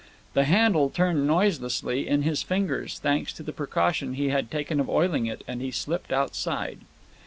The handle turned noiselessly in his fingers, thanks to the precaution he had taken of oiling it, and he slipped outside.